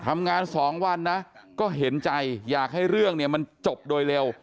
ทำงาน๒วันนะก็เห็นใจอยากให้เรื่องเนี่ยมันจบโดยเร็ว